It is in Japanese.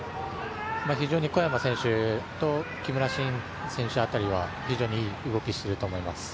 非常に小山選手と木村慎選手辺りは非常にいい動きしていると思います。